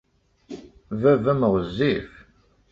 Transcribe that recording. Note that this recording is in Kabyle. Baba-m ɣezzif.